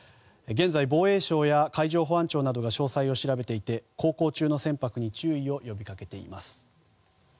現在、防衛省や海上保安庁などが情報を調べていて航行中の船舶に注意を呼び掛けています。